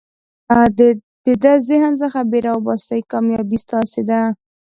د ذهن څخه بېره وباسئ، کامیابي ستاسي ده.